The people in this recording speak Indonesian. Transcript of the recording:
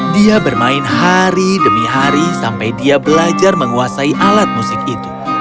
dia bermain hari demi hari sampai dia belajar menguasai alat musik itu